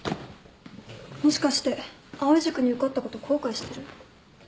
もしかして藍井塾に受かったこと後悔してる？